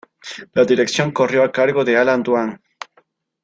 La dirección corrió a cargo de Allan Dwan.